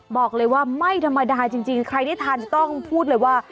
บอกเลยว่าไม่ธรรมดาจริงใครได้ทานต้องพูดเลยว่า